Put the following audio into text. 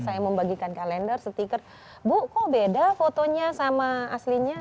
saya membagikan kalender stiker bu kok beda fotonya sama aslinya